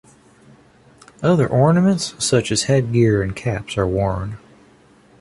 Other ornaments such as headgear and caps are worn.